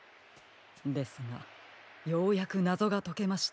ですがようやくなぞがとけました。